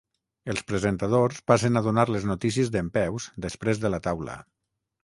Els presentadors passen a donar les notícies dempeus després de la taula.